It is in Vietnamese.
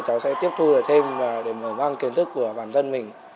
cháu sẽ tiếp thu thêm để mở măng kiến thức của bản thân mình